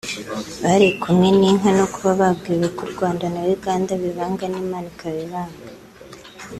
bari kumwe n’inka no kuba bari babwiwe ko u Rwanda na Uganda bibanga n’Imana ikaba ibanga